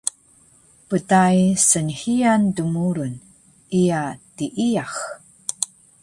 Pdai snhiyan dmurun, iya tiiyax